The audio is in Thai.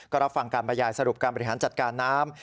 ก็รับฟังการบรรยายสรุปการบริหารจัดการน้ำ